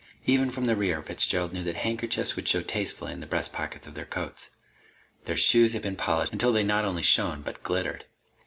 Even from the rear, Fitzgerald knew that handkerchiefs would show tastefully in the breast pockets of their coats. Their shoes had been polished until they not only shone, but glittered.